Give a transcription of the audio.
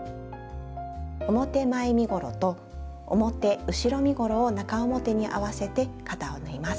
表前身ごろと表後ろ身ごろを中表に合わせて肩を縫います。